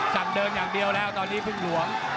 สั่งเดินอย่างเดียวแล้วตอนนี้พึ่งหลวง